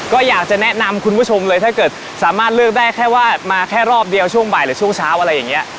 ก็อยากจะแนะนำคุณผู้ชมเลยถ้าเกิดสามารถเลือกได้แค่ว่ามาแค่รอบเดียวช่วงบ่ายหรือช่วงเช้าอะไรอย่างนี้